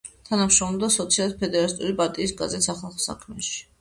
თანამშრომლობდა სოციალისტ-ფედერალისტური პარტიის გაზეთ „სახალხო საქმეში“.